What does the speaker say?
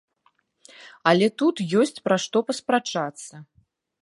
Але тут ёсць пра што паспрачацца.